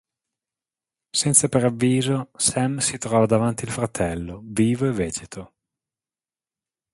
Senza preavviso, Sam si trova davanti il fratello, vivo e vegeto.